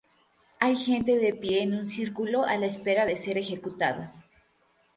Hay gente de pie en un círculo a la espera de ser ejecutada.